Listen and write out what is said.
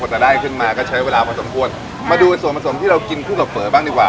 จะได้ขึ้นมาก็ใช้เวลาพอสมควรมาดูส่วนผสมที่เรากินคู่กับเฝอบ้างดีกว่า